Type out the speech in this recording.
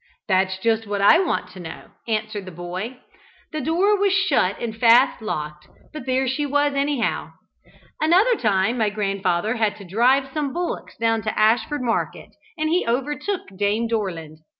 "That's just what I want to know," answered the boy. "The door was shut and fast locked; but there she was, anyhow. Another time my grandfather had to drive some bullocks down to Ashford market, and he overtook Dame Dorland.